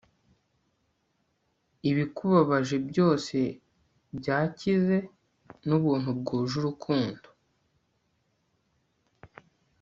ibikubabaje byose byakize nubuntu bwuje urukundo